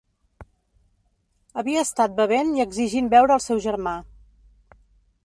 Havia estat bevent i exigint veure al seu germà.